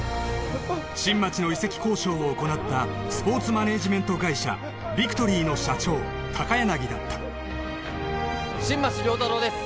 新町の移籍交渉を行ったスポーツマネージメント会社ビクトリーの社長高柳だった新町亮太郎です